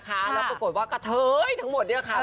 ปรากฏว่ากระเท้ยทั้งหมดค่ะ